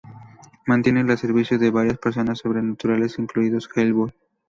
Mantiene los servicios de varias personas sobrenaturales, incluidos Hellboy.